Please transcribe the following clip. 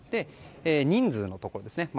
人数のところですね。